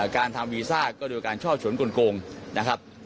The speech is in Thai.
การทำวีซ่าก็โดยการช่อฉนกลงนะครับ